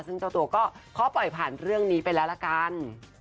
ซึ่งเจ้าตัวก็ขอปล่อยผ่านเรื่องนี้ไปแล้วละกัน